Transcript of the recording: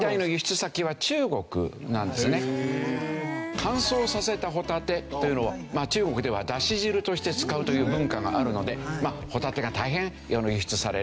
乾燥させたホタテというのを中国ではだし汁として使うという文化があるのでホタテが大変輸出される。